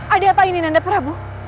ada apa ini nanda prabu